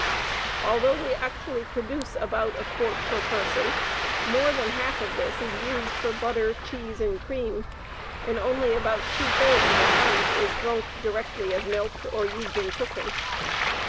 Although we actually produce about a quart per person, more than half of this is used for butter, cheese, and cream, and only about two thirds of a pint is drunk directly as milk or used in cooking.